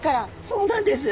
そうなんです。